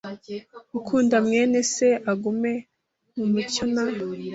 Ukunda mwene Se aguma mu mucyo nta